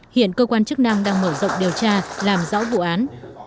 hiện cơ quan chức năng đang mở rộng điều tra làm rõ vụ án